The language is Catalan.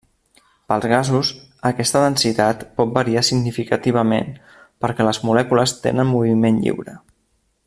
Pels gasos, aquesta densitat pot variar significativament perquè les molècules tenen moviment lliure.